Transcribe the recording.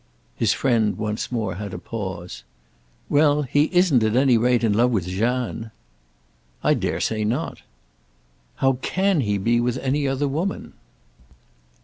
His friend once more had a pause. "Well, he isn't at any rate in love with Jeanne." "I dare say not." "How can he be with any other woman?"